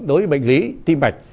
đối với bệnh lý tim mạch